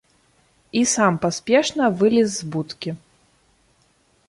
І сам паспешна вылез з будкі.